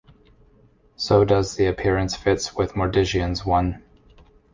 So does the appearance fits with Mordiggian's one.